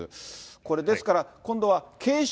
これ、ですから今度は、軽症、